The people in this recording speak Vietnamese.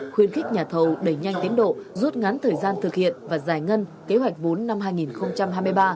khuyến khích nhà thầu đẩy nhanh tiến độ rút ngắn thời gian thực hiện và giải ngân kế hoạch vốn năm hai nghìn hai mươi ba